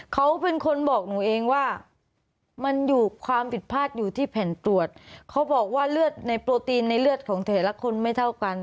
เขาเป็นคนบอกหนูเองว่ามันอยู่ความผิดพลาดอยู่ที่แผ่นตรวจเขาบอกว่าเลือดในโปรตีนในเลือดของแต่ละคนไม่เท่ากัน